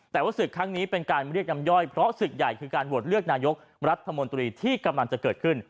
แต่ว่าศึกครั้งนี้เป็นการเรียกน้ำย่อยเพราะศึกใหญ่คือการโหวตเลือกนายกรัฐมนตรีที่กำลังจะเกิดขึ้น